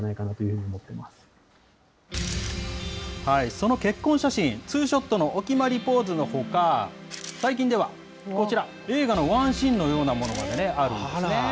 その結婚写真、ツーショットのお決まりポーズのほか、最近ではこちら、映画のワンシーンのようなものまであるんですね。